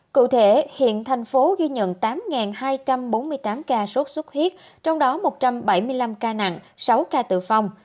cụ thể hiện tp hcm ghi nhận tám hai trăm bốn mươi tám ca sốt xuất huyết trong đó một trăm bảy mươi năm ca nặng sáu ca tự phong